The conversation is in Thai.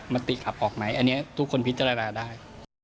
มติขับออกไหมอันนี้ทุกคนพิจารณาได้